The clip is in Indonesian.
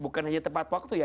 bukan hanya tepat waktu ya